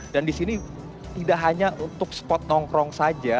dan di sini tidak hanya untuk spot nongkrong saja